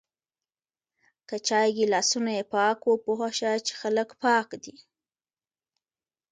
که چای ګلاسونه یی پاک و پوهه شه چی خلک پاک دی